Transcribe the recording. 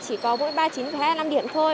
chỉ có mỗi ba chín hai mươi năm điểm thôi